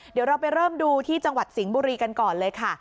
เดี๋ยวเราไปเริ่มดูที่จังหวัดสิงห์บุรีกันก่อนเลยค่ะ